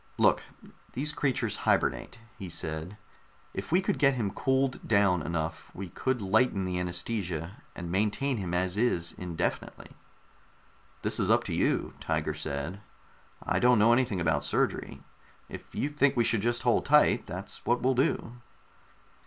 "Look, these creatures hibernate," he said. "If we could get him cooled down enough, we could lighten the anaesthesia and maintain him as is, indefinitely." "This is up to you," Tiger said. "I don't know anything about surgery. If you think we should just hold tight, that's what we'll do."